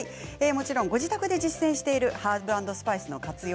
もちろんご自宅で実践しているハーブ＆スパイスの活用